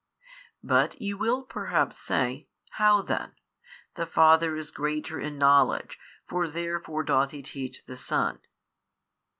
But you will perhaps say, How then? the Father is greater in knowledge, for therefore doth He teach the Son.